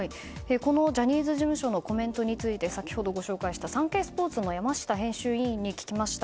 ジャニーズ事務所のコメントについて先ほどご紹介したサンケイスポーツの山下編集委員に聞きました。